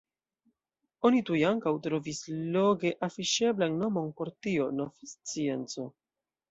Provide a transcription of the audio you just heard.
Oni tuj ankaŭ trovis loge afiŝeblan nomon por tio: nov-scienco.